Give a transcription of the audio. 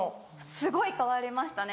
すごい変わりましたね。